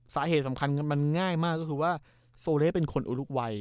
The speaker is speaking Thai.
สาเหตุสำคัญมันง่ายมากก็คือว่าโซเลสเป็นคนอุลุกวัย